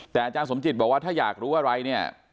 แต่อาจารย์สมจิตบอกว่าถ้าอยากรู้อะไรเนี่ย